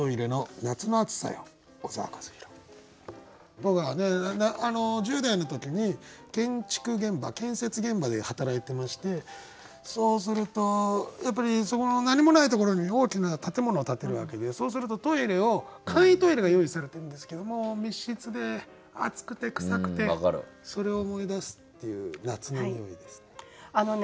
僕は１０代の時に建設現場で働いてましてそうするとやっぱりそこの何もないところに大きな建物を建てるわけでそうするとトイレを簡易トイレが用意されてるんですけども密室で暑くて臭くてそれを思い出すっていう夏のにおいですね。